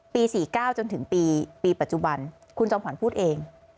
๔๙จนถึงปีปัจจุบันคุณจอมขวัญพูดเอง